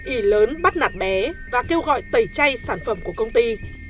ỉ lớn bắt nạt bé và kêu gọi tẩy chay sản phẩm của công ty